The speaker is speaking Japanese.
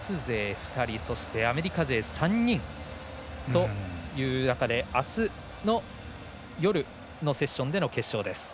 ２人アメリカ勢３人という中であすの夜のセッションでの決勝。